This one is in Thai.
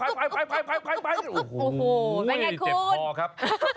โอ้โหเป็นไงคุณเจ็บพ่อครับ